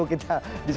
bisa kita beri